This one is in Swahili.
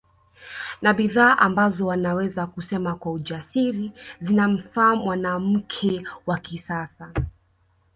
Ni bidhaa ambazo naweza kusema kwa ujasiri zinamfaa mwanamke wa kisasa